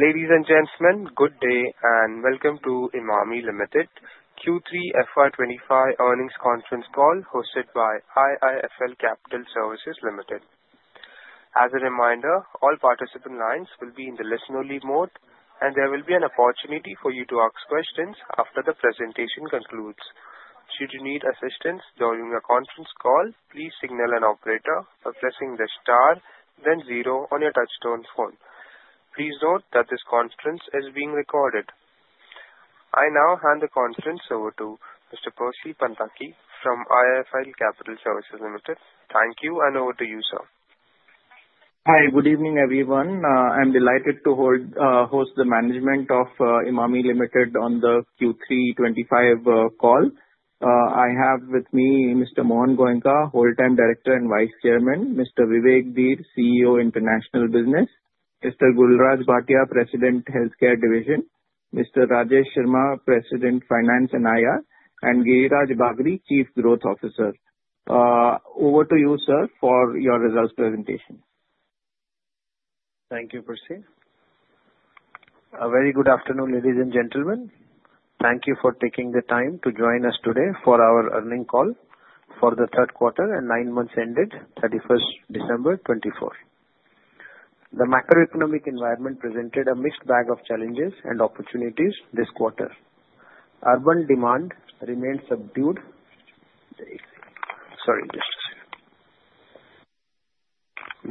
Ladies and gentlemen, good day and welcome to Emami Limited Q3 FY 2025 earnings conference call hosted by IIFL Capital Services Limited. As a reminder, all participant lines will be in the listen-only mode, and there will be an opportunity for you to ask questions after the presentation concludes. Should you need assistance during a conference call, please signal an operator by pressing the star, then zero on your touch-tone phone. Please note that this conference is being recorded. I now hand the conference over to Mr. Percy Panthaki from IIFL Capital Services Limited. Thank you, and over to you, sir. Hi, good evening, everyone. I'm delighted to host the management of Emami Limited on the Q3 FY 2025 call. I have with me Mr. Mohan Goenka, Whole-Time Director and Vice Chairman. Mr. Vivek Dhir, CEO, International Business. Mr. Gulraj Bhatia, President, Healthcare Division. Mr. Rajesh Sharma, President, Finance and IR. And Giriraj Bagri, Chief Growth Officer. Over to you, sir, for your results presentation. Thank you, Percy. A very good afternoon, ladies and gentlemen. Thank you for taking the time to join us today for our earnings call for the third quarter and nine months ended 31st December 2024. The macroeconomic environment presented a mixed bag of challenges and opportunities this quarter. Urban demand remained subdued. Sorry, just a second.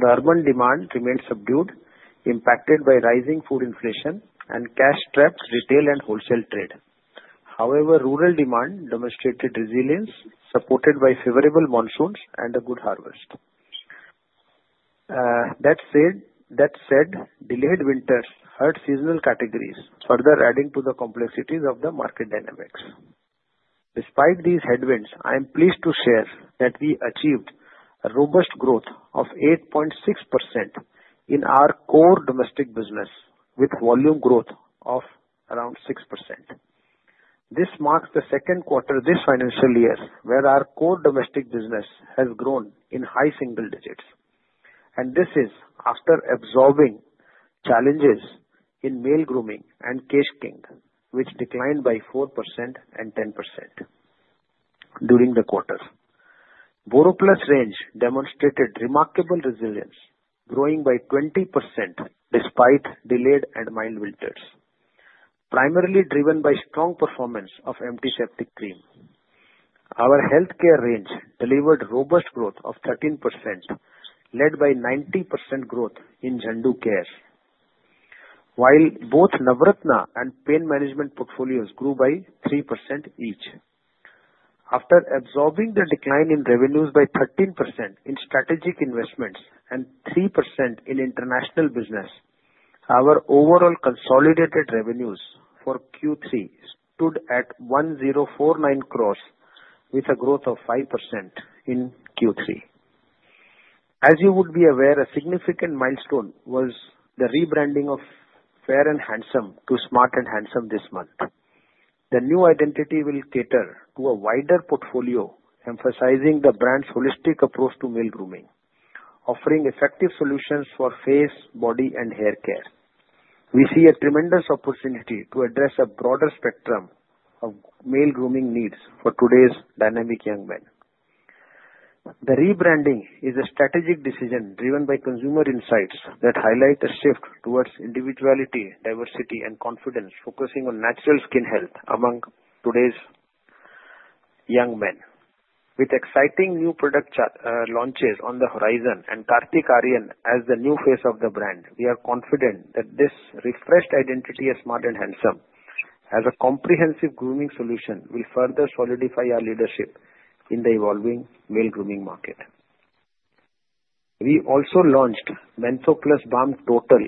The urban demand remained subdued, impacted by rising food inflation and cash-strapped retail and wholesale trade. However, rural demand demonstrated resilience, supported by favorable monsoons and a good harvest. That said, delayed winters hurt seasonal categories, further adding to the complexities of the market dynamics. Despite these headwinds, I am pleased to share that we achieved a robust growth of 8.6% in our core domestic business, with volume growth of around 6%. This marks the second quarter of this financial year where our core domestic business has grown in high single digits. This is after absorbing challenges in male grooming and Kesh King, which declined by 4% and 10% during the quarter. BoroPlus range demonstrated remarkable resilience, growing by 20% despite delayed and mild winters, primarily driven by strong performance of antiseptic cream. Our healthcare range delivered robust growth of 13%, led by 90% growth in Zandu Care, while both Navratna and pain management portfolios grew by 3% each. After absorbing the decline in revenues by 13% in strategic investments and 3% in international business, our overall consolidated revenues for Q3 stood at 1,049 crores, with a growth of 5% in Q3. As you would be aware, a significant milestone was the rebranding of Fair and Handsome to Smart and Handsome this month. The new identity will cater to a wider portfolio, emphasizing the brand's holistic approach to male grooming, offering effective solutions for face, body, and hair care. We see a tremendous opportunity to address a broader spectrum of male grooming needs for today's dynamic young men. The rebranding is a strategic decision driven by consumer insights that highlight a shift towards individuality, diversity, and confidence, focusing on natural skin health among today's young men. With exciting new product launches on the horizon and Karthik Aaryan as the new face of the brand, we are confident that this refreshed identity of Smart and Handsome as a comprehensive grooming solution will further solidify our leadership in the evolving male grooming market. We also launched Mentho Plus Balm Total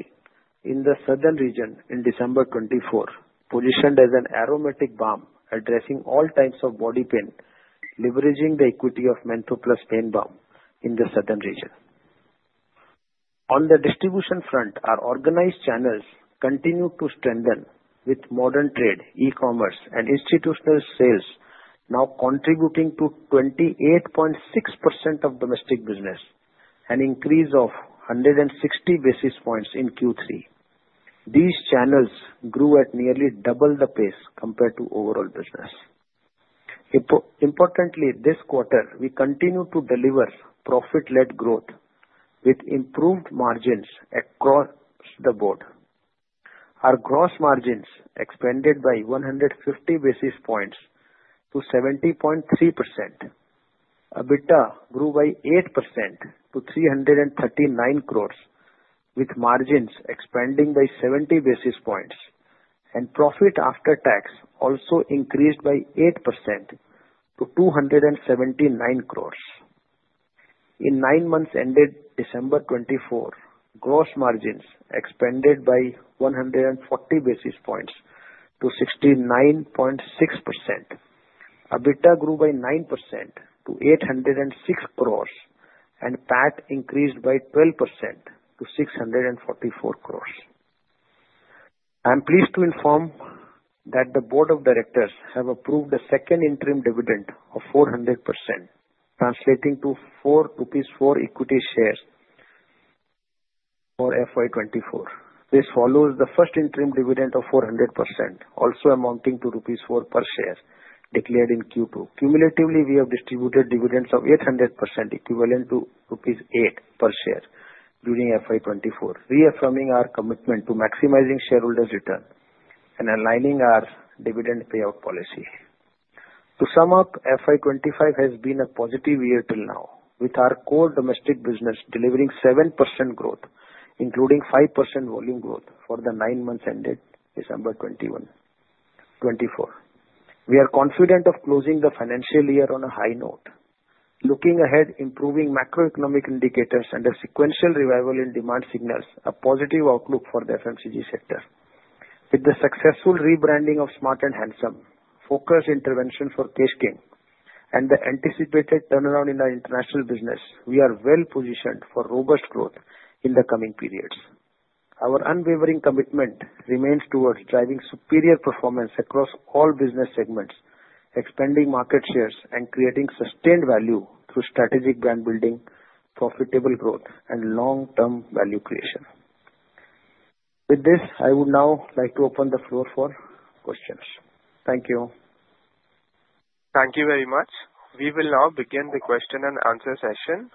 in the southern region in December 2024, positioned as an aromatic balm addressing all types of body pain, leveraging the equity of Mentho Plus Pain Balm in the southern region. On the distribution front, our organized channels continued to strengthen with modern trade, e-commerce, and institutional sales, now contributing to 28.6% of domestic business, an increase of 160 basis points in Q3. These channels grew at nearly double the pace compared to overall business. Importantly, this quarter, we continue to deliver profit-led growth with improved margins across the board. Our gross margins expanded by 150 basis points to 70.3%. EBITDA grew by 8% to 339 crores, with margins expanding by 70 basis points, and profit after tax also increased by 8% to 279 crores. In nine months ended December 2024, gross margins expanded by 140 basis points to 69.6%. EBITDA grew by 9% to 806 crores, and PAT increased by 12% to 644 crores. I'm pleased to inform that the board of directors have approved a second interim dividend of 400%, translating to 4 equity shares for FY 2024. This follows the first interim dividend of 400%, also amounting to rupees 4 per share declared in Q2. Cumulatively, we have distributed dividends of 800%, equivalent to rupees 8 per share during FY 2024, reaffirming our commitment to maximizing shareholders' return and aligning our dividend payout policy. To sum up, FY 2025 has been a positive year till now, with our core domestic business delivering 7% growth, including 5% volume growth for the nine months ended December 2024. We are confident of closing the financial year on a high note, looking ahead, improving macroeconomic indicators, and a sequential revival in demand signals, a positive outlook for the FMCG sector. With the successful rebranding of Smart and Handsome, focused intervention for Kesh King, and the anticipated turnaround in our international business, we are well positioned for robust growth in the coming periods. Our unwavering commitment remains towards driving superior performance across all business segments, expanding market shares, and creating sustained value through strategic brand building, profitable growth, and long-term value creation. With this, I would now like to open the floor for questions. Thank you. Thank you very much. We will now begin the question and answer session.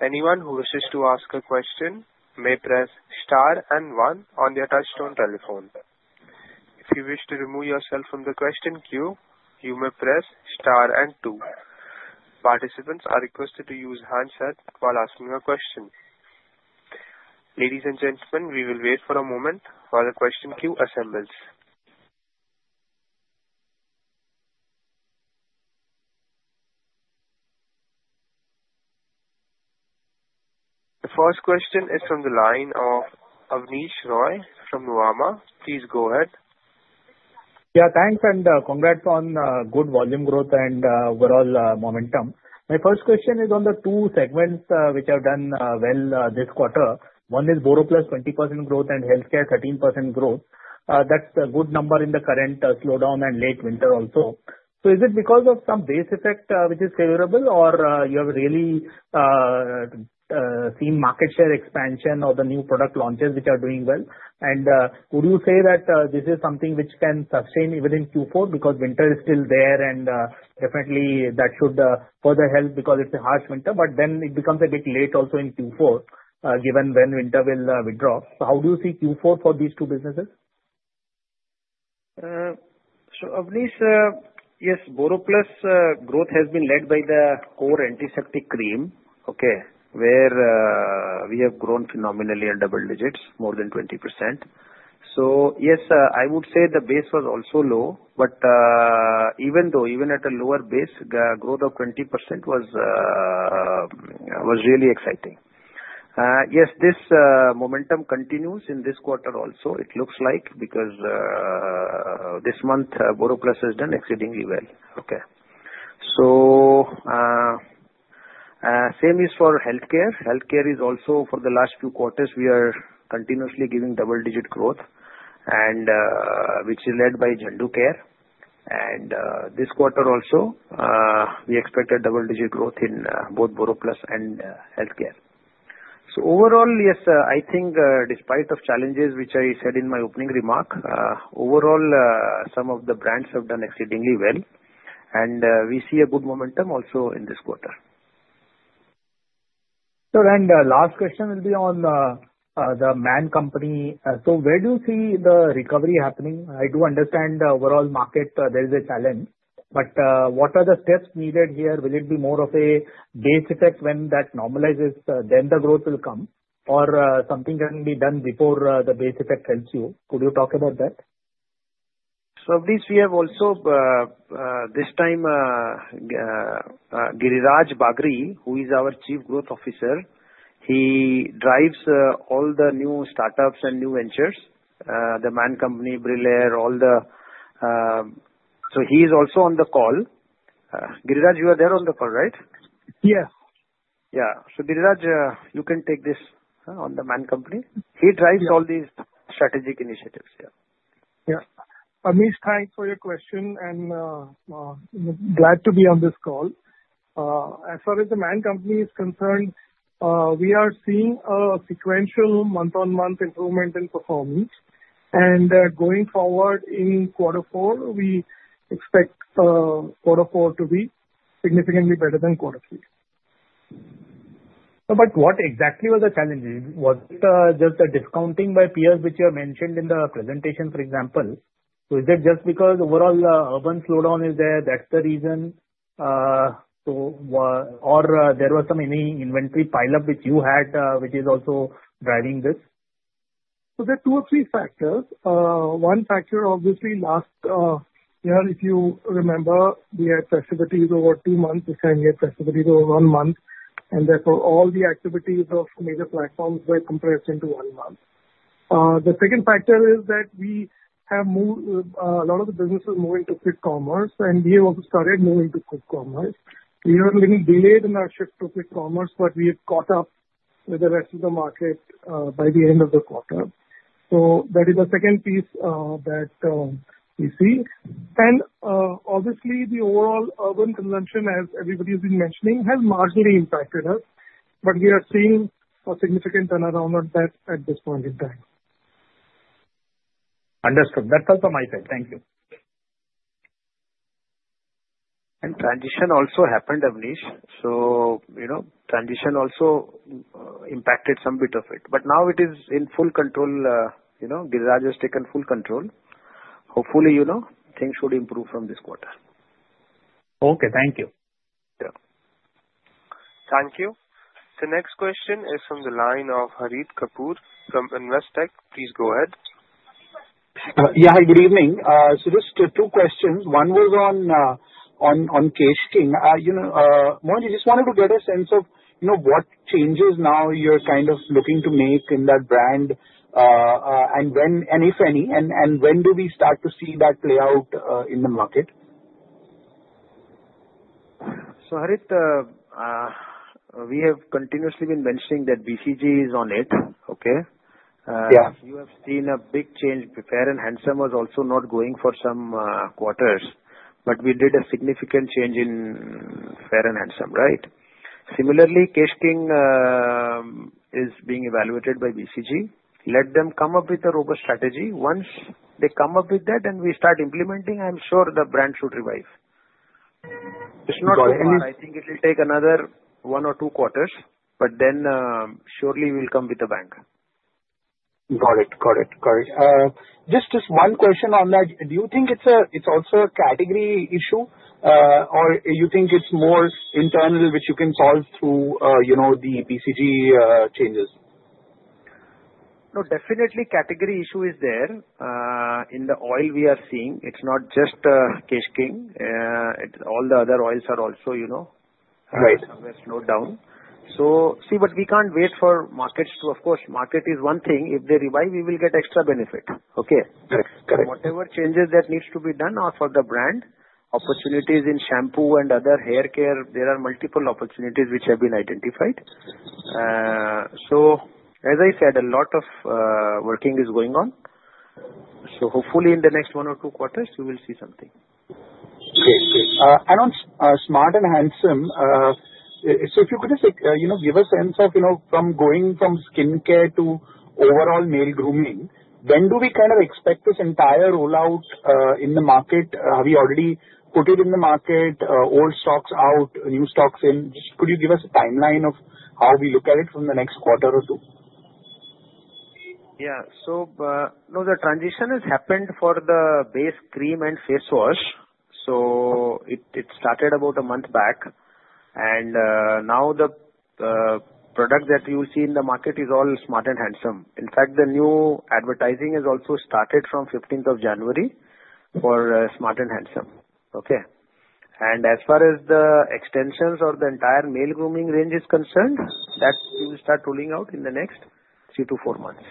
Anyone who wishes to ask a question may press star and one on their touch-tone telephone. If you wish to remove yourself from the question queue, you may press star and two. Participants are requested to use handset while asking a question. Ladies and gentlemen, we will wait for a moment while the question queue assembles. The first question is from the line of Abneesh Roy from Nuvama. Please go ahead. Yeah, thanks, and congrats on good volume growth and overall momentum. My first question is on the two segments which have done well this quarter. One is BoroPlus 20% growth and healthcare 13% growth. That's a good number in the current slowdown and late winter also. So is it because of some base effect which is favorable, or you have really seen market share expansion or the new product launches which are doing well? And would you say that this is something which can sustain even in Q4 because winter is still there, and definitely that should further help because it's a harsh winter, but then it becomes a bit late also in Q4 given when winter will withdraw? So how do you see Q4 for these two businesses? So Avneesh, yes, BoroPlus growth has been led by the core antiseptic cream, okay, where we have grown phenomenally in double digits, more than 20%. So yes, I would say the base was also low, but even though, even at a lower base, the growth of 20% was really exciting. Yes, this momentum continues in this quarter also, it looks like, because this month BoroPlus has done exceedingly well. Okay. So same is for healthcare. Healthcare is also for the last few quarters, we are continuously giving double-digit growth, which is led by Zandu Care. And this quarter also, we expected double-digit growth in both BoroPlus and healthcare. So overall, yes, I think despite of challenges, which I said in my opening remark, overall, some of the brands have done exceedingly well, and we see a good momentum also in this quarter. Sir, and last question will be on The Man Company. So where do you see the recovery happening? I do understand overall market, there is a challenge, but what are the steps needed here? Will it be more of a base effect when that normalizes, then the growth will come, or something can be done before the base effect helps you? Could you talk about that? So, Avneesh, we have also this time Giriraj Bagri, who is our Chief Growth Officer. He drives all the new startups and new ventures, The Man Company, Brillare, all these, so he is also on the call. Giriraj, you are there on the call, right? Yes. Yeah. So Giriraj, you can take this on The Man Company. He drives all these strategic initiatives, yeah. Yeah. Abneesh, thanks for your question, and glad to be on this call. As far as The Man Company is concerned, we are seeing a sequential month-on-month improvement in performance, and going forward in quarter four, we expect quarter four to be significantly better than quarter three. But what exactly were the challenges? Was it just a discounting by peers, which you have mentioned in the presentation, for example? So is it just because overall urban slowdown is there, that's the reason, or there was some inventory pile-up which you had, which is also driving this? There are two or three factors. One factor, obviously, last year, if you remember, we had festivities over two months. This time, we had festivities over one month, and therefore, all the activities of major platforms were compressed into one month. The second factor is that we have moved a lot of the businesses moving to quick commerce, and we have also started moving to quick commerce. We were a little delayed in our shift to quick commerce, but we have caught up with the rest of the market by the end of the quarter. That is the second piece that we see. And obviously, the overall urban consumption, as everybody has been mentioning, has marginally impacted us, but we are seeing a significant turnaround on that at this point in time. Understood. That's all from my side. Thank you. And transition also happened, Abneesh. So transition also impacted some bit of it. But now it is in full control. Giriraj has taken full control. Hopefully, things should improve from this quarter. Okay. Thank you. Yeah. Thank you. The next question is from the line of Harit Kapoor from Investec. Please go ahead. Yeah, hi, good evening. So just two questions. One was on Kesh King. Mohan, I just wanted to get a sense of what changes now you're kind of looking to make in that brand, and if any, and when do we start to see that play out in the market? So Harit, we have continuously been mentioning that BCG is on it, okay? You have seen a big change. Fair and Handsome was also not going for some quarters, but we did a significant change in Fair and Handsome, right? Similarly, Kesh King is being evaluated by BCG. Let them come up with a robust strategy. Once they come up with that and we start implementing, I'm sure the brand should revive. It's not over. I think it will take another one or two quarters, but then surely we'll come with the bang. Got it. Just one question on that. Do you think it's also a category issue, or you think it's more internal, which you can solve through the BCG changes? No, definitely category issue is there. In the oil we are seeing, it's not just Kesh King. All the other oils are also slowed down. So see, but we can't wait for markets to, of course, market is one thing. If they revive, we will get extra benefit, okay? But whatever changes that need to be done are for the brand. Opportunities in shampoo and other hair care, there are multiple opportunities which have been identified. So as I said, a lot of working is going on. So hopefully, in the next one or two quarters, we will see something. Great. Great. And on Smart and Handsome, so if you could just give a sense of from going from skincare to overall male grooming, when do we kind of expect this entire rollout in the market? Have we already put it in the market, old stocks out, new stocks in? Just could you give us a timeline of how we look at it from the next quarter or two? Yeah. So no, the transition has happened for the base cream and face wash. So it started about a month back, and now the product that you will see in the market is all Smart and Handsome. In fact, the new advertising has also started from 15th of January for Smart and Handsome, okay? And as far as the extensions or the entire male grooming range is concerned, that will start rolling out in the next three to four months.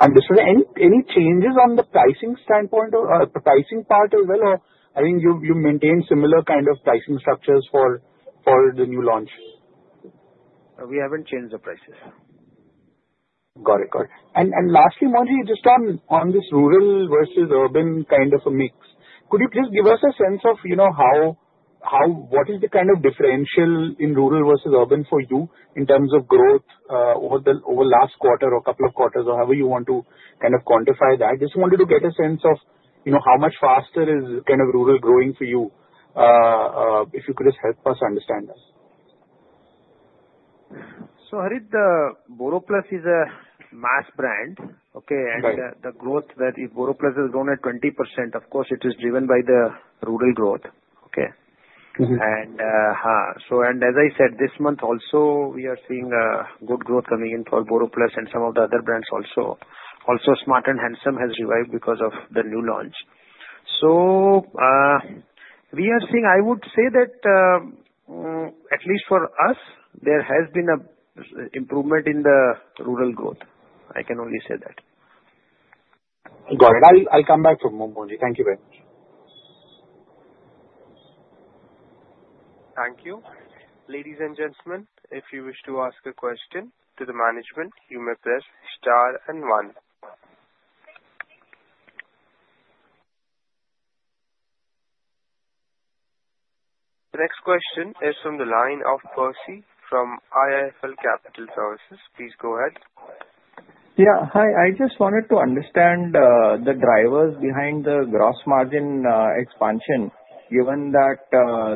Understood. Any changes on the pricing standpoint or pricing part as well, or I mean, you maintain similar kind of pricing structures for the new launch? We haven't changed the prices. Got it. Got it. And lastly, Mohan, just on this rural versus urban kind of a mix, could you just give us a sense of what is the kind of differential in rural versus urban for you in terms of growth over the last quarter or couple of quarters, or however you want to kind of quantify that? Just wanted to get a sense of how much faster is kind of rural growing for you, if you could just help us understand that. So Harit, BoroPlus is a mass brand, okay? And the growth that BoroPlus has grown at 20%, of course, it is driven by the rural growth, okay? And as I said, this month also, we are seeing good growth coming in for BoroPlus and some of the other brands also. Also, Smart and Handsome has revived because of the new launch. So we are seeing, I would say that at least for us, there has been an improvement in the rural growth. I can only say that. Got it. I'll come back to Mohan. Thank you very much. Thank you. Ladies and gentlemen, if you wish to ask a question to the management, you may press star and one. The next question is from the line of Percy from IIFL Capital Services. Please go ahead. Yeah. Hi. I just wanted to understand the drivers behind the gross margin expansion, given that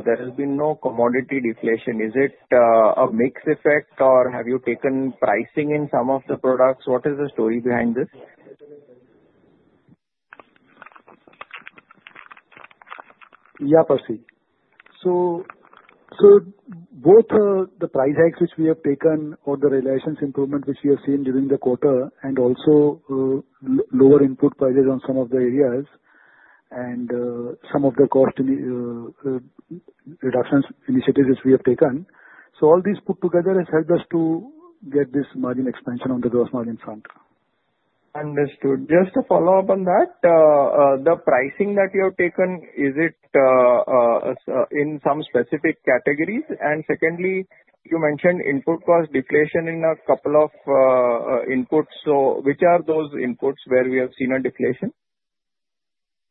there has been no commodity deflation. Is it a mixed effect, or have you taken pricing in some of the products? What is the story behind this? Yeah, Percy. So both the price hikes which we have taken or the realization improvement which we have seen during the quarter, and also lower input prices on some of the areas, and some of the cost reduction initiatives which we have taken, so all these put together has helped us to get this margin expansion on the gross margin front. Understood. Just to follow up on that, the pricing that you have taken, is it in some specific categories? And secondly, you mentioned input cost deflation in a couple of inputs. So which are those inputs where we have seen a deflation?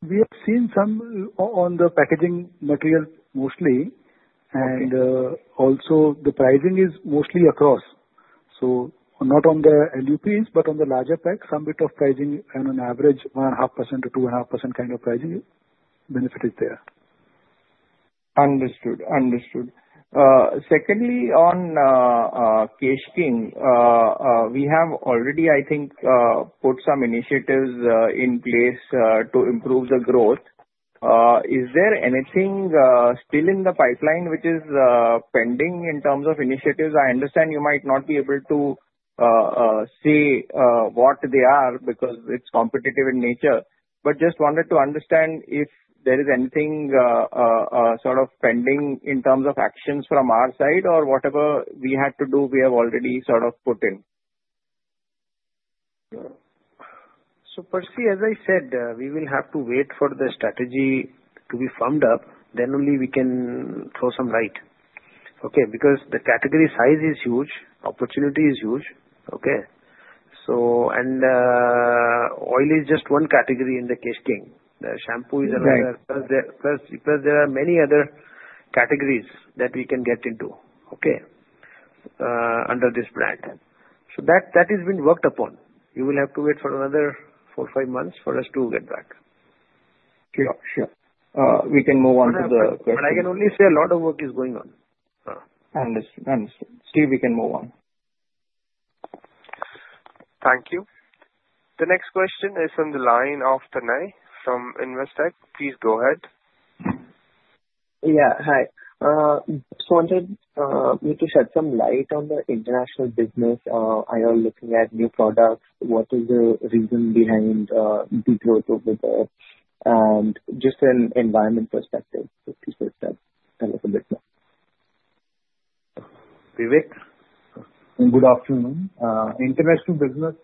We have seen some on the packaging material mostly. And also, the pricing is mostly across. So not on the LUPs, but on the larger pack, some bit of pricing on an average 1.5%-2.5% kind of pricing benefit is there. Understood. Understood. Secondly, on Kesh King, we have already, I think, put some initiatives in place to improve the growth. Is there anything still in the pipeline which is pending in terms of initiatives? I understand you might not be able to say what they are because it's competitive in nature, but just wanted to understand if there is anything sort of pending in terms of actions from our side, or whatever we had to do, we have already sort of put in. So Percy, as I said, we will have to wait for the strategy to be firmed up, then only we can throw some light, okay? Because the category size is huge, opportunity is huge, okay? And oil is just one category in the Kesh King. The shampoo is another. Plus, there are many other categories that we can get into, okay, under this brand. So that has been worked upon. You will have to wait for another four or five months for us to get back. Sure. Sure. We can move on to the questions. But I can only say a lot of work is going on. Understood. Understood.Steve, we can move on. Thank you. The next question is from the line of Tanay from Investec. Please go ahead. Yeah. Hi. Just wanted you to shed some light on the international business. I'm looking at new products. What is the reason behind the growth of the product? And just an environment perspective, if you could tell us a bit more. Vivek? Good afternoon. International business,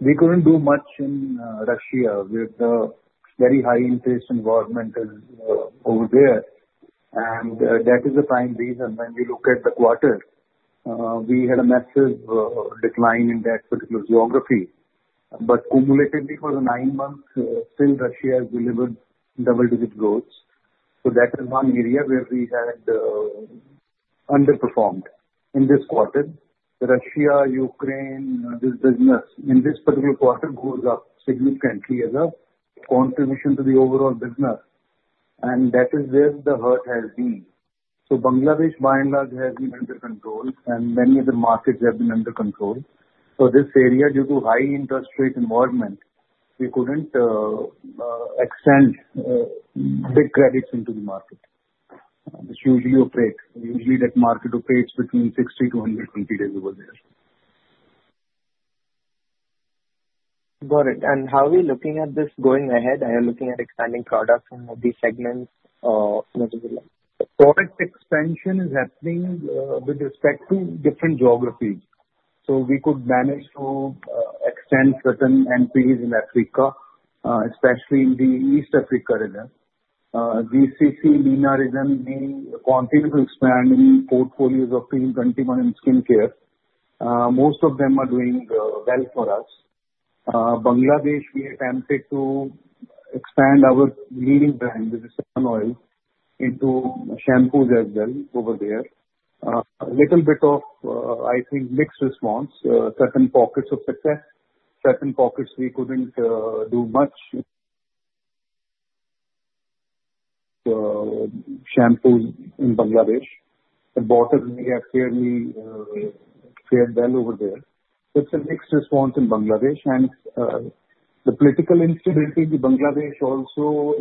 we couldn't do much in Russia with the very high interest involvement over there, and that is the prime reason when you look at the quarter. We had a massive decline in that particular geography, but cumulatively for the nine months, still, Russia has delivered double-digit growth, so that is one area where we had underperformed in this quarter. The Russia-Ukraine business in this particular quarter goes up significantly as a contribution to the overall business, and that is where the hurt has been. So Bangladesh by and large has been under control, and many of the markets have been under control. So this area, due to high interest rate involvement, we couldn't extend big credits into the market. It's usually a break. Usually, that market operates between 60-120 days over there. Got it. And how are we looking at this going ahead? Are you looking at expanding products in these segments? Product expansion is happening with respect to different geographies so we could manage to extend certain tentacles in Africa, especially in the East Africa region. GCC, MENA region, we continue to expand in portfolios of BoroPlus in skincare. Most of them are doing well for us. Bangladesh, we attempted to expand our leading brand, which is 7 Oils, into shampoos as well over there. A little bit of, I think, mixed response. Certain pockets of success, certain pockets we couldn't do much so shampoos in Bangladesh. The bottles we have clearly fared well over there so it's a mixed response in Bangladesh and the political instability in Bangladesh, also,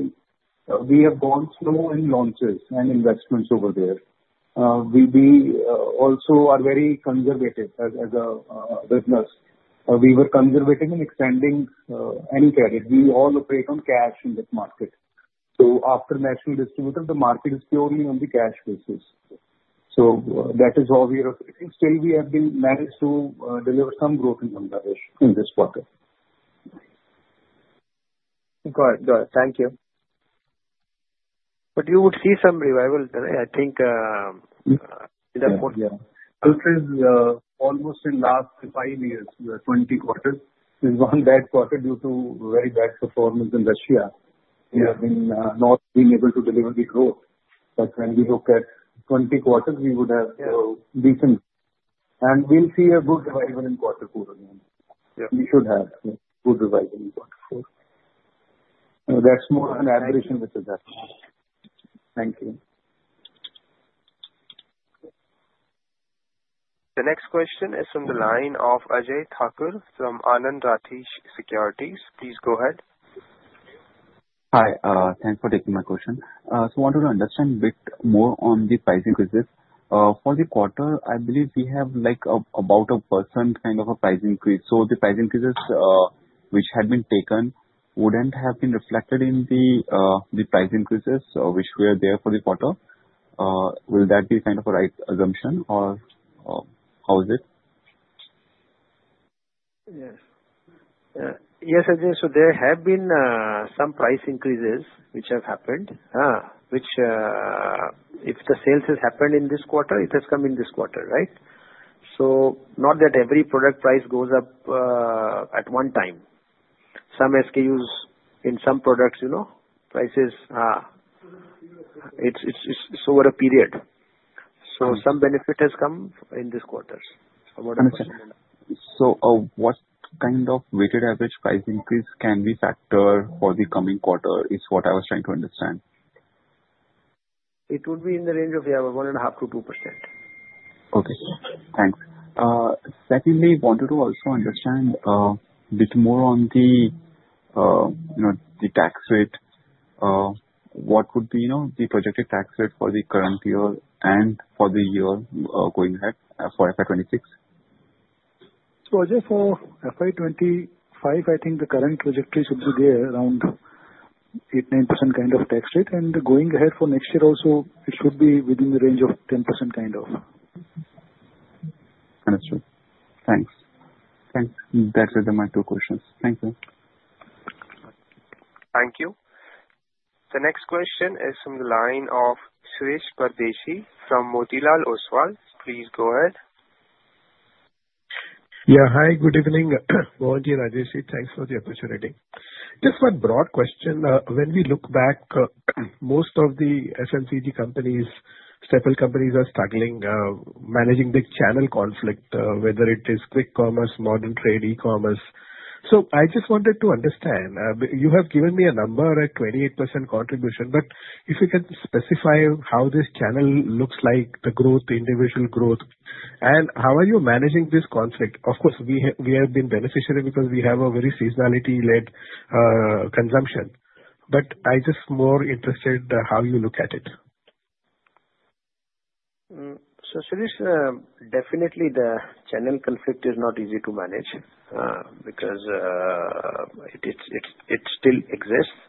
we have gone through in launches and investments over there. We also are very conservative as a business. We were conservative in extending any credit. We all operate on cash in that market. So after national distribution, the market is purely on the cash basis. So that is how we are operating. Still, we have been managed to deliver some growth in Bangladesh in this quarter. Got it. Got it. Thank you. But you would see some revival, Tanay, I think. Yeah. Also, it's almost in the last five years, 20 quarters, is one bad quarter due to very bad performance in Russia. We have not been able to deliver the growth. But when we look at 20 quarters, we would have decent. And we'll see a good revival in quarter four again. We should have good revival in quarter four. That's more of an aberration which is happening. Thank you. The next question is from the line of Ajay Thakur from Anand Rathi Securities. Please go ahead. Hi. Thanks for taking my question. So I wanted to understand a bit more on the price increases. For the quarter, I believe we have about 1% kind of a price increase. So the price increases which had been taken wouldn't have been reflected in the price increases which were there for the quarter. Will that be kind of a right assumption, or how is it? Yes. Yes, Ajay. So there have been some price increases which have happened, which if the sales have happened in this quarter, it has come in this quarter, right? So not that every product price goes up at one time. Some SKUs in some products, prices, it's over a period. So some benefit has come in these quarters. About 1%. Understood. So what kind of weighted average price increase can we factor for the coming quarter is what I was trying to understand. It would be in the range of, yeah, 1.5%-2%. Okay. Thanks. Secondly, wanted to also understand a bit more on the tax rate. What would be the projected tax rate for the current year and for the year going ahead for FY 2026? So just for FY 2025, I think the current trajectory should be there around 8%-9% kind of tax rate. And going ahead for next year also, it should be within the range of 10% kind of. Understood. Thanks. Thanks. That's it for my two questions. Thank you. Thank you. The next question is from the line of Shirish Pardeshi from Motilal Oswal. Please go ahead. Yeah. Hi. Good evening, Mohanji, Rajeshji. Thanks for the opportunity. Just one broad question. When we look back, most of the FMCG companies, staples companies are struggling managing the channel conflict, whether it is quick commerce, modern trade, e-commerce. So I just wanted to understand. You have given me a number at 28% contribution, but if you can specify how this channel looks like, the growth, the individual growth, and how are you managing this conflict? Of course, we have been beneficiary because we have a very seasonality-led consumption. But I'm just more interested in how you look at it. So Suresh, definitely the channel conflict is not easy to manage because it still exists.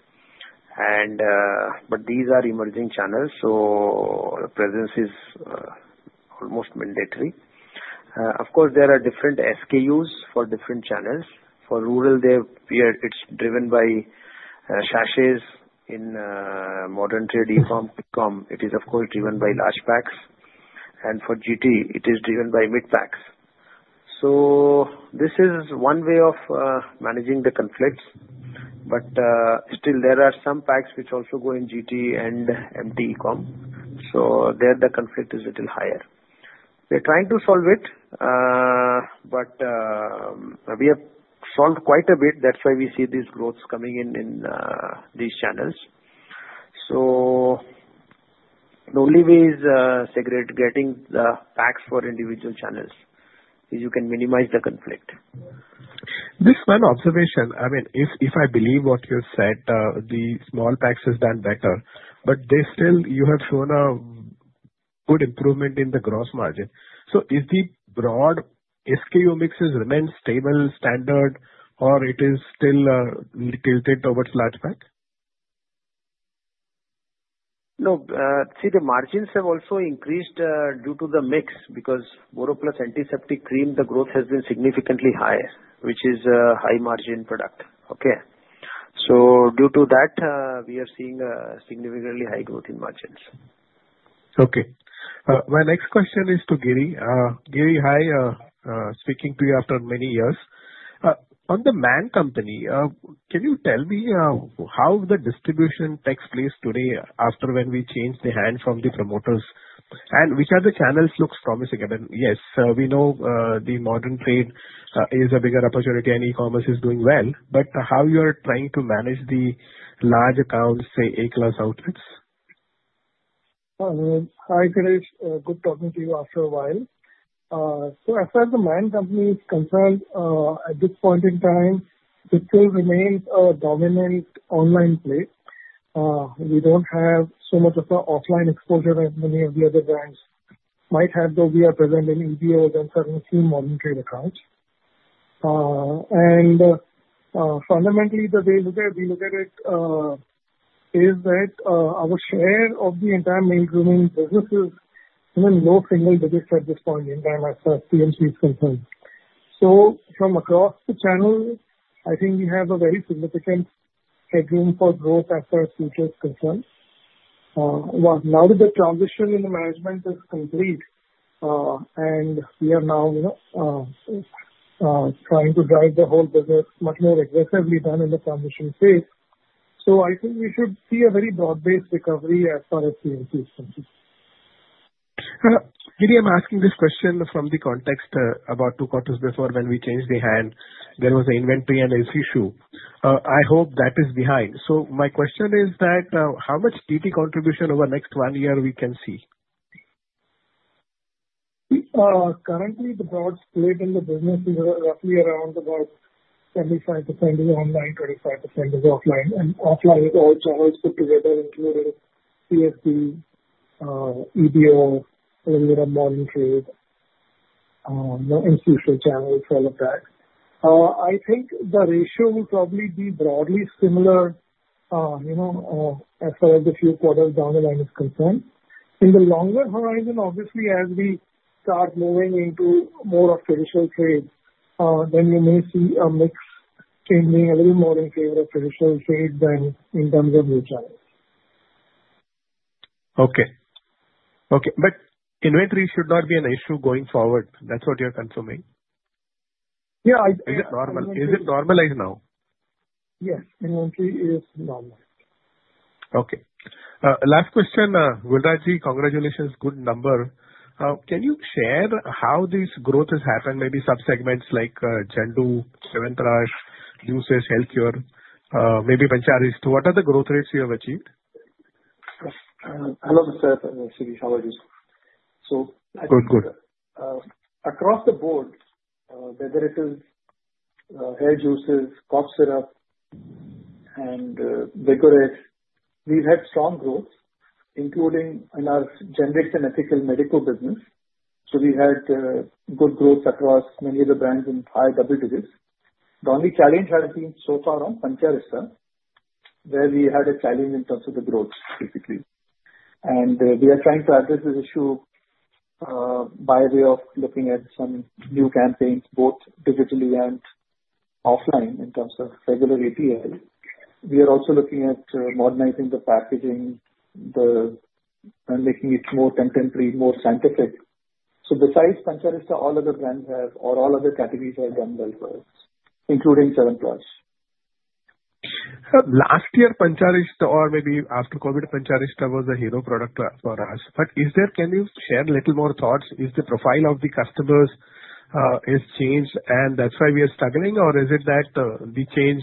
But these are emerging channels, so presence is almost mandatory. Of course, there are different SKUs for different channels. For rural, it's driven by sachets in modern trade, e-com, quick commerce. It is, of course, driven by large packs. And for GT, it is driven by mid packs. So this is one way of managing the conflicts. But still, there are some packs which also go in GT and MT e-com. So there the conflict is a little higher. We're trying to solve it, but we have solved quite a bit. That's why we see these growths coming in these channels. So the only way is segregating the packs for individual channels so you can minimize the conflict. Just one observation. I mean, if I believe what you said, the small packs have done better. But still, you have shown a good improvement in the gross margin. So is the broad SKU mixes remain stable, standard, or it is still tilted towards large pack? No. See, the margins have also increased due to the mix because BoroPlus Antiseptic Cream, the growth has been significantly higher, which is a high-margin product. Okay. So due to that, we are seeing significantly high growth in margins. Okay. My next question is to Giri. Giri, hi. Speaking to you after many years. On the Man Company, can you tell me how the distribution takes place today after it changed hands from the promoters? And which other channels look promising? I mean, yes, we know the modern trade is a bigger opportunity and e-commerce is doing well. But how are you trying to manage the large accounts, say, A-class outlets? Hi, Suresh. Good talking to you after a while. So as far as the Man Company is concerned, at this point in time, it still remains a dominant online play. We don't have so much of an offline exposure as many of the other brands might have, though we are present in GTs and certainly few modern trade accounts. And fundamentally, the way we look at it is that our share of the entire male grooming business is in low single digits at this point in time as far as TMC is concerned. So from across the channel, I think we have a very significant headroom for growth as far as future is concerned. Now that the transition in the management is complete, and we are now trying to drive the whole business much more aggressively than in the transition phase, so I think we should see a very broad-based recovery as far as TMC is concerned. Giriraj, I'm asking this question from the context about two quarters before when we changed the hand. There was an inventory and an issue. I hope that is behind. So my question is that how much TT contribution over the next one year we can see? Currently, the broad split in the business is roughly around about 75% is online, 25% is offline, and offline is all channels put together, including CSD, EBO, and then you have modern trade, institutional channels, all of that. I think the ratio will probably be broadly similar as far as the few quarters down the line is concerned. In the longer horizon, obviously, as we start moving into more of traditional trade, then you may see a mix changing a little more in favor of traditional trade than in terms of new channels. Okay. Okay. But inventory should not be an issue going forward. That's what you're confirming? Yeah. Is it normalized now? Yes. Inventory is normalized. Okay. Last question. Vivek Dhir, congratulations. Good number. Can you share how this growth has happened, maybe subsegments like Zandu, Devantaraj, Lucis Healthcare, maybe Pancharishta? What are the growth rates you have achieved? Hello, Mr. Shirish. How are you? Good. Good. Across the board, whether it is hair juices, cough syrup, and Vigorex, we've had strong growth, including in our generic and ethical medical business. We had good growth across many of the brands in high double digits. The only challenge has been so far on Pancharishta, where we had a challenge in terms of the growth, basically. We are trying to address this issue by way of looking at some new campaigns, both digitally and offline in terms of regular ATL. We are also looking at modernizing the packaging and making it more contemporary, more scientific. Besides Pancharishta, all other brands have or all other categories have done well for us, including 7 Oils. Last year, Pancharishta, or maybe after COVID, Pancharishta was a hero product for us. But can you share a little more thoughts? Is the profile of the customers has changed, and that's why we are struggling, or is it that the change,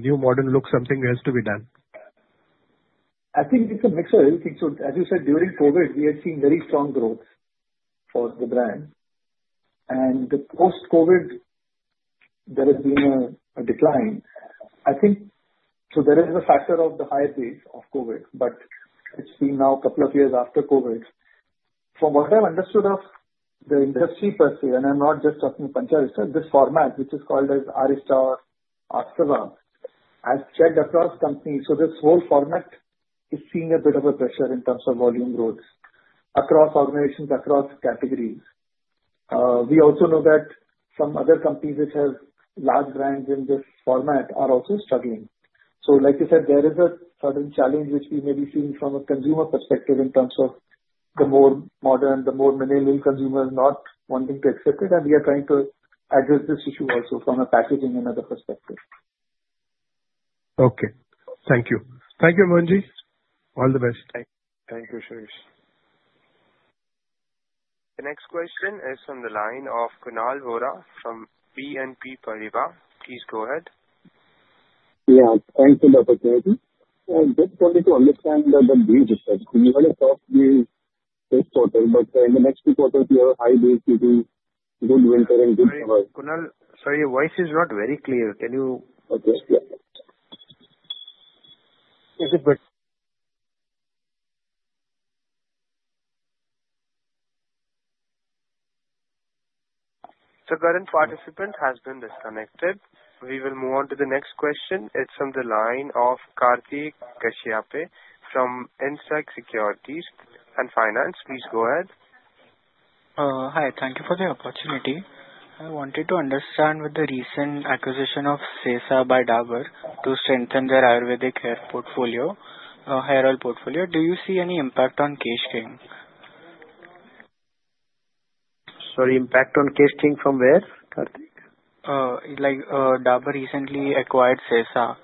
new modern look, something has to be done? I think it's a mix of everything, so as you said, during COVID, we had seen very strong growth for the brand, and post-COVID, there has been a decline. I think so there is the factor of the higher base of COVID, but it's been now a couple of years after COVID. From what I've understood of the industry per se, and I'm not just talking Pancharishta, this format, which is called as Arishta or Asava, has spread across companies, so this whole format is seeing a bit of a pressure in terms of volume growth across organizations, across categories. We also know that some other companies which have large brands in this format are also struggling, so like you said, there is a sudden challenge which we may be seeing from a consumer perspective in terms of the more modern, the more minimal consumers not wanting to accept it. We are trying to address this issue also from a packaging and other perspective. Okay. Thank you. Thank you, Mohan G. All the best. Thank you, Shirish. The next question is from the line of Kunal Vora from BNP Paribas. Please go ahead. Yeah. Thanks for the opportunity. I just wanted to understand the base this time. We were soft this quarter, but in the next two quarters, we have a high base due to good winter and good summer. Hey, Kunal, sorry, your voice is not very clear. Can you? Okay. Yeah. Is it good? The current participant has been disconnected. We will move on to the next question. It's from the line of Karthik Kashyap from Equirus Securities. Please go ahead. Hi. Thank you for the opportunity. I wanted to understand with the recent acquisition of Sesa by Dabur to strengthen their Ayurvedic hair portfolio, hair oil portfolio. Do you see any impact on Kesh King? Sorry, impact on Kesh King from where, Karthik? Like Dabur recently acquired Sesa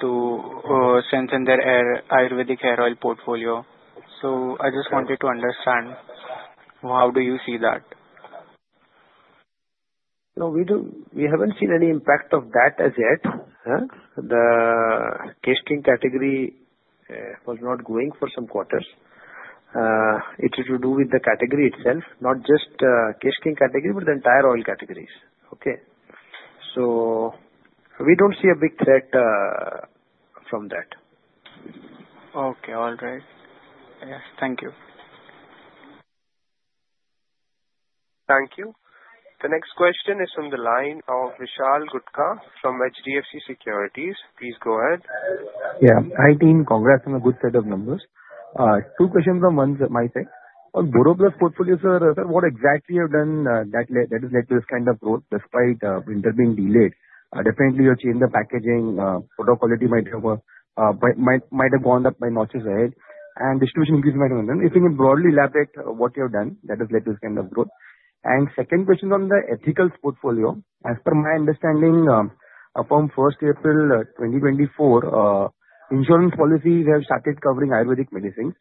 to strengthen their Ayurvedic hair oil portfolio, so I just wanted to understand how do you see that? No, we haven't seen any impact of that as yet. The Kesh King category was not going for some quarters. It had to do with the category itself, not just Kesh King category, but the entire oil categories. Okay. So we don't see a big threat from that. Okay. All right. Yes. Thank you. Thank you. The next question is from the line of Vishal Gutka from HDFC Securities. Please go ahead. Yeah. I think, congrats on a good set of numbers. Two questions from one side. On BoroPlus portfolio, sir, what exactly you have done that has led to this kind of growth despite winter being delayed? Definitely, you've changed the packaging. Product quality might have gone up by notches ahead. And distribution increase might have been done. If you can broadly elaborate what you have done that has led to this kind of growth. And second question on the ethical portfolio. As per my understanding, from 1st April 2024, insurance policies have started covering Ayurvedic medicines.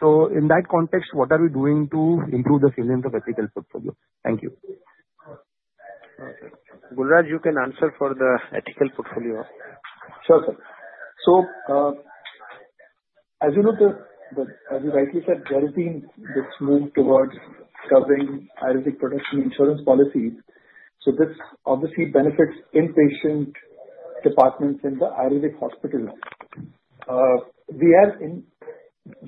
So in that context, what are we doing to improve the salience of ethical portfolio? Thank you. Gul Raj, you can answer for the ethical portfolio. Sure, sir. So as you rightly said, there has been this move towards covering Ayurvedic prescription insurance policies. So this obviously benefits inpatient departments in the Ayurvedic hospitals. We have,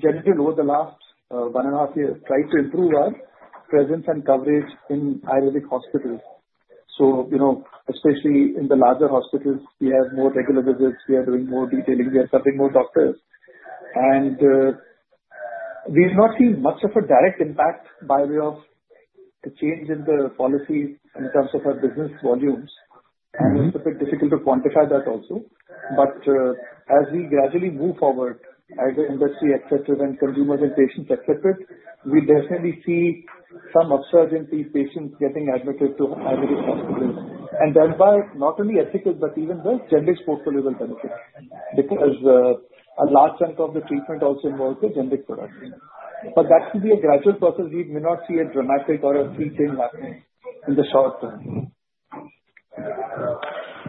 generally over the last one and a half years, tried to improve our presence and coverage in Ayurvedic hospitals. So especially in the larger hospitals, we have more regular visits. We are doing more detailing. We are covering more doctors. And we've not seen much of a direct impact by way of the change in the policies in terms of our business volumes. And it's a bit difficult to quantify that also. But as we gradually move forward, as the industry accepts it and consumers and patients accept it, we definitely see some upsurge, these patients getting admitted to Ayurvedic hospitals. Thereby, not only ethical, but even the generic portfolio will benefit because a large chunk of the treatment also involves the generic products. That will be a gradual process. We may not see a dramatic or a sea change happening in the short term.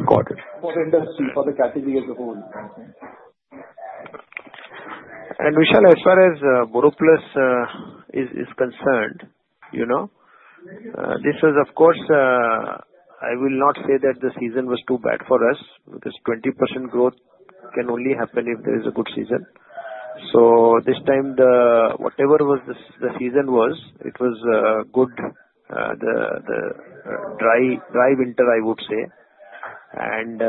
Got it. For the industry, for the category as a whole. Vishal, as far as BoroPlus is concerned, this was, of course, I will not say that the season was too bad for us because 20% growth can only happen if there is a good season. So this time, whatever the season was, it was good, the dry winter, I would say. And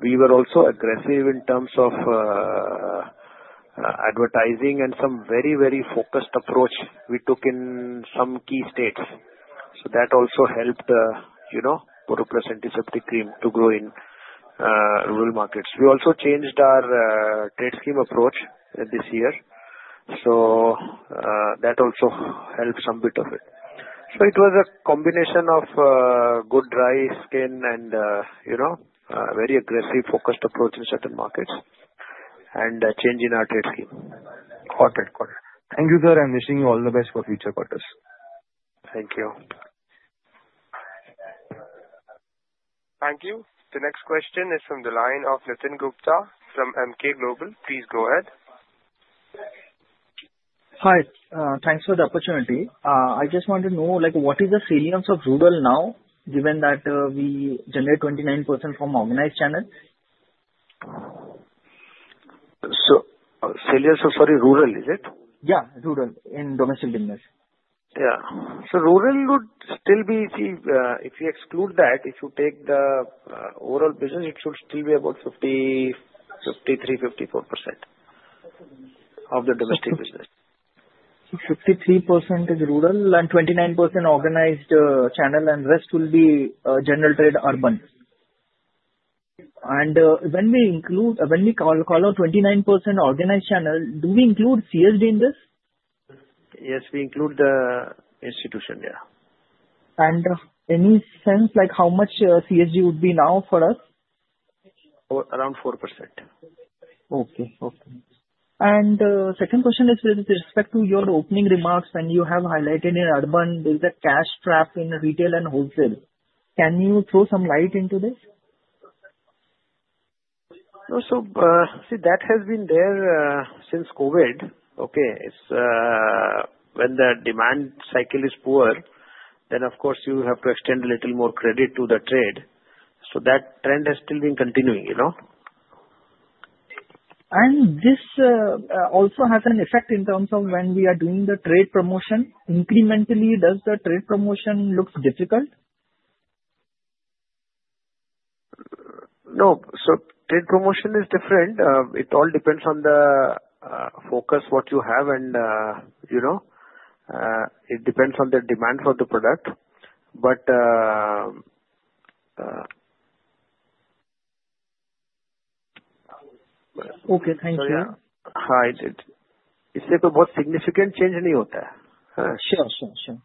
we were also aggressive in terms of advertising and some very, very focused approach we took in some key states. So that also helped BoroPlus Antiseptic Cream to grow in rural markets. We also changed our trade scheme approach this year. So that also helped some bit of it. So it was a combination of good, dry skin and very aggressive, focused approach in certain markets and a change in our trade scheme. Got it. Got it. Thank you, sir. I'm wishing you all the best for future quarters. Thank you. Thank you. The next question is from the line of Nitin Gupta from Emkay Global. Please go ahead. Hi. Thanks for the opportunity. I just want to know, what is the salience of rural now, given that we generate 29% from organized channel? So, salience of, sorry, rural, is it? Yeah, rural in domestic business. Yeah, so rural would still be, if you exclude that, if you take the overall business, it should still be about 53%-54% of the domestic business. So 53% is rural and 29% organized channel, and the rest will be general trade, urban. And when we call out 29% organized channel, do we include CSD in this? Yes, we include the institution, yeah. In any sense, how much CSD would be now for us? Around 4%. Okay. Okay. And second question is with respect to your opening remarks, and you have highlighted in urban, there is a cash trap in retail and wholesale. Can you throw some light into this? So see, that has been there since COVID. Okay. When the demand cycle is poor, then, of course, you have to extend a little more credit to the trade. So that trend has still been continuing. This also has an effect in terms of when we are doing the trade promotion. Incrementally, does the trade promotion look difficult? No. So trade promotion is different. It all depends on the focus what you have, and it depends on the demand for the product. But. Okay. Thank you. Hi. It's about significant change any other time. Sure.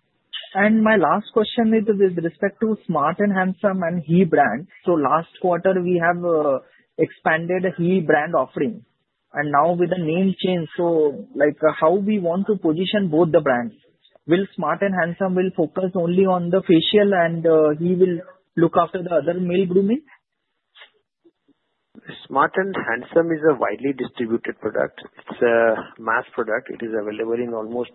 And my last question is with respect to Smart and Handsome and HE brand. So last quarter, we have expanded HE brand offering. And now with the name change, so how we want to position both the brands? Will Smart and Handsome focus only on the facial, and HE will look after the other male grooming? Smart and Handsome is a widely distributed product. It's a mass product. It is available in almost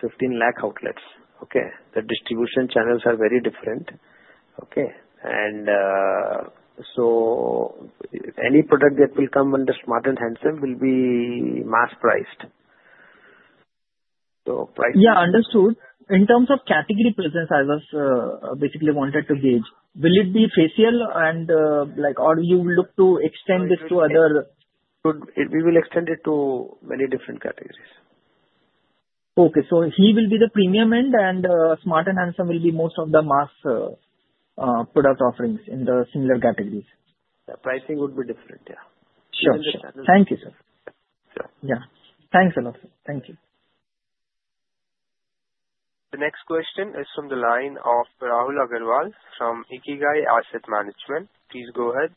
15 lakh outlets. Okay. The distribution channels are very different. Okay. And so any product that will come under Smart and Handsome will be mass priced. So price. Yeah. Understood. In terms of category presence, I was basically wanted to gauge. Will it be facial, or you will look to extend this to other? We will extend it to many different categories. Okay. So HE will be the premium end, and Smart and Handsome will be most of the mass product offerings in the similar categories. The pricing would be different, yeah. Sure. Sure. Thank you, sir. Yeah. Thanks a lot, sir. Thank you. The next question is from the line of Rahul Agarwal from Ikigai Asset Management. Please go ahead.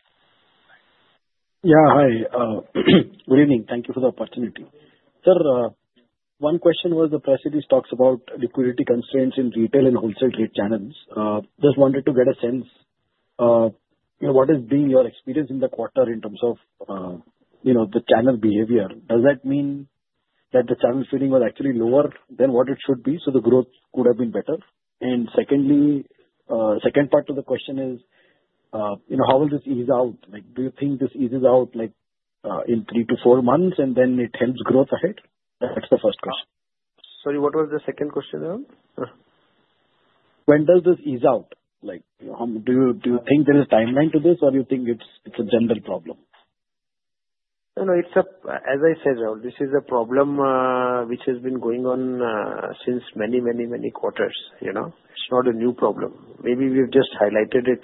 Yeah. Hi. Good evening. Thank you for the opportunity. Sir, one question was the press release talks about liquidity constraints in retail and wholesale trade channels. Just wanted to get a sense, what has been your experience in the quarter in terms of the channel behavior? Does that mean that the channel filling was actually lower than what it should be, so the growth could have been better? And secondly, second part of the question is, how will this ease out? Do you think this eases out in three to four months, and then it helps growth ahead? That's the first question. Sorry, what was the second question, Rahul? When does this ease out? Do you think there is a timeline to this, or do you think it's a general problem? No, no. As I said, Rahul, this is a problem which has been going on since many, many, many quarters. It's not a new problem. Maybe we've just highlighted it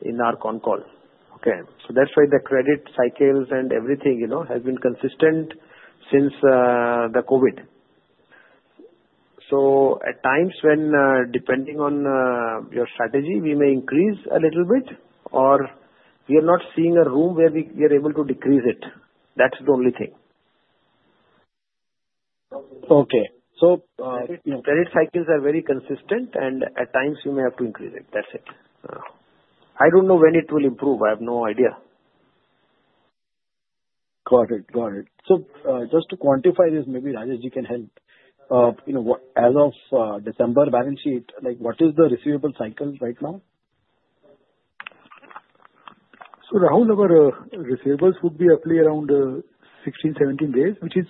in our con call. Okay. So that's why the credit cycles and everything has been consistent since the COVID. So at times, depending on your strategy, we may increase a little bit, or we are not seeing a room where we are able to decrease it. That's the only thing. Okay. So. Credit cycles are very consistent, and at times, you may have to increase it. That's it. I don't know when it will improve. I have no idea. Got it. Got it. So just to quantify this, maybe Rajesh, you can help. As of December balance sheet, what is the receivable cycle right now? So Rahul, our receivables would be roughly around 16-17 days, which is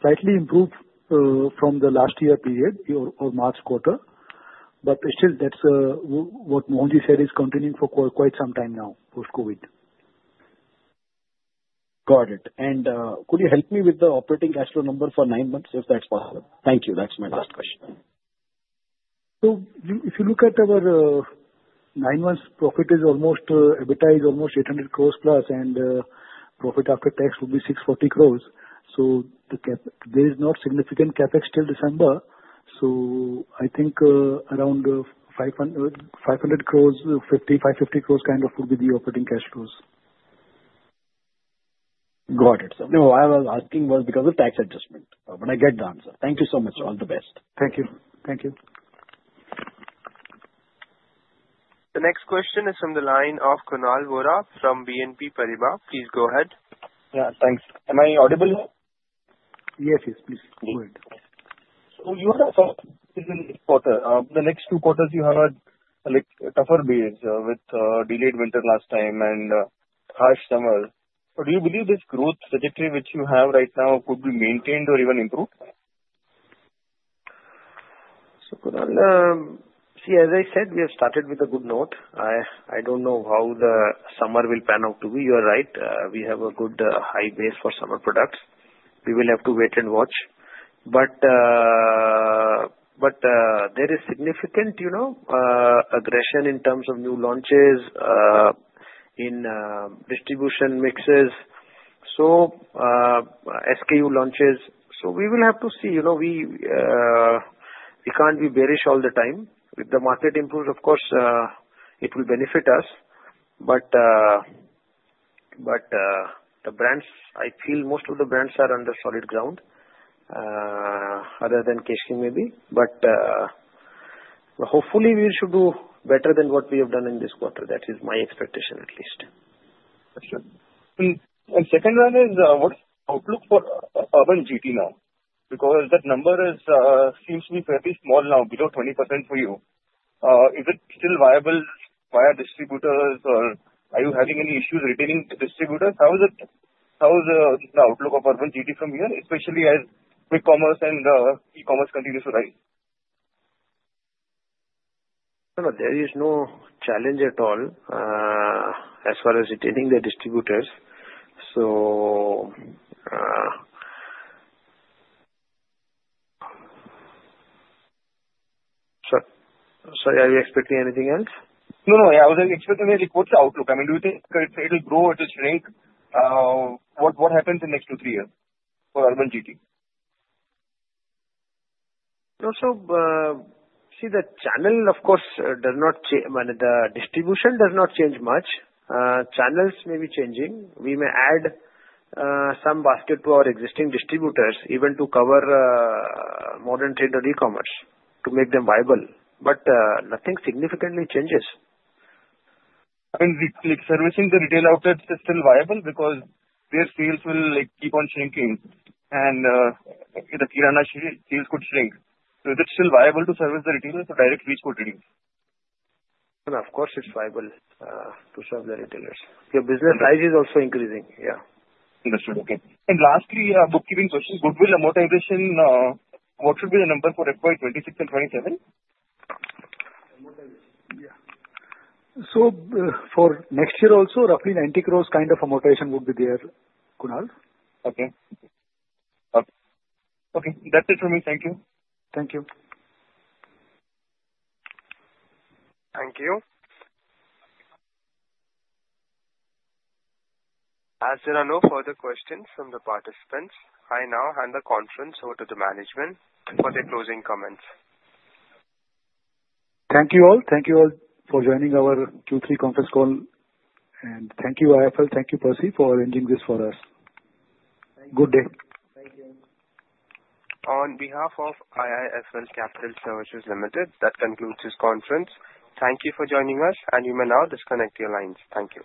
slightly improved from the last year period or March quarter. But still, that's what Mohanji said is continuing for quite some time now post-COVID. Got it. And could you help me with the operating cash flow number for nine months, if that's possible? Thank you. That's my last question. So if you look at our nine months, profit is almost EBITDA is almost 800 crores plus, and profit after tax would be 640 crores. So there is not significant CapEx till December. So I think around 500-550 crores kind of would be the operating cash flows. Got it, sir. No, I was asking was because of tax adjustment. But I get the answer. Thank you so much. All the best. Thank you. Thank you. The next question is from the line of Kunal Vora from BNP Paribas. Please go ahead. Yeah. Thanks. Am I audible now? Yes, yes. Please. Good. So you had a tough quarter. The next two quarters, you had a tougher base with delayed winter last time and harsh summer. So do you believe this growth trajectory which you have right now could be maintained or even improved? So Kunal, see, as I said, we have started with a good note. I don't know how the summer will pan out to be. You are right. We have a good high base for summer products. We will have to wait and watch. But there is significant aggression in terms of new launches in distribution mixes, so SKU launches. So we will have to see. We can't be bearish all the time. If the market improves, of course, it will benefit us. But the brands, I feel most of the brands are under solid ground, other than Kesh King maybe. But hopefully, we should do better than what we have done in this quarter. That is my expectation, at least. And second one is, what is the outlook for urban GT now? Because that number seems to be fairly small now, below 20% for you. Is it still viable via distributors, or are you having any issues retaining distributors? How is the outlook of urban GT from here, especially as e-commerce and quick commerce continues to rise? No, there is no challenge at all as far as retaining the distributors. So. Sorry. Are you expecting anything else? No, no. I was expecting a reported outlook. I mean, do you think it will grow or it will shrink? What happens in the next two to three years for urban GT? No, sir. See, the channel, of course, does not change. The distribution does not change much. Channels may be changing. We may add some basket to our existing distributors, even to cover modern trade or e-commerce to make them viable. But nothing significantly changes. I mean, servicing the retail outlets is still viable because their sales will keep on shrinking, and the kirana sales could shrink. So is it still viable to service the retailers or directly support retailers? Of course, it's viable to serve the retailers. Your business size is also increasing. Yeah. Understood. Okay. And lastly, bookkeeping questions. Goodwill amortization, what should be the number for FY 2026 and 2027? Amortization. Yeah. So for next year also, roughly 90 crores kind of amortization would be there, Kunal. Okay. Okay. That's it from me. Thank you. Thank you. Thank you. As there are no further questions from the participants, I now hand the conference over to the management for their closing comments. Thank you all. Thank you all for joining our Q3 conference call. And thank you, IIFL. Thank you, Percy, for arranging this for us. Good day. Thank you. On behalf of IIFL Capital Services Limited, that concludes this conference. Thank you for joining us, and you may now disconnect your lines. Thank you.